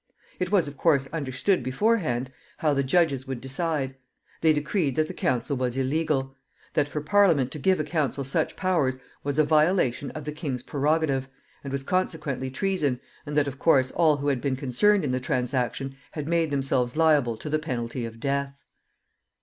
It was, of course, understood beforehand how the judges would decide. They decreed that the council was illegal; that for Parliament to give a council such powers was a violation of the king's prerogative, and was consequently treason, and that, of course, all who had been concerned in the transaction had made themselves liable to the penalty of death.